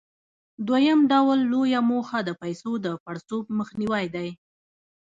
د دویم ډول لویه موخه د پیسو د پړسوب مخنیوى دی.